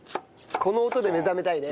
この音で目覚めたいね。